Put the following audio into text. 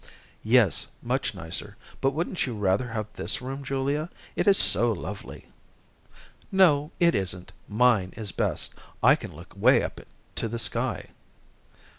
"Yes, much nicer, but wouldn't you rather have this room, Julia? It is so lovely." "No, it isn't. Mine is best. I can look way up to the sky."